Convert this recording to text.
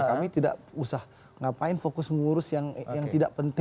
kami tidak usah ngapain fokus mengurus yang tidak penting